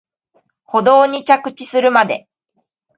舗道に着地するまで